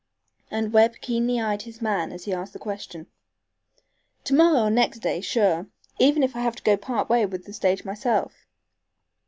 And Webb keenly eyed his man as he asked the question. "To morrow or next day sure, even if I have to go part way with the stage myself.